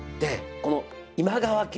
この今川家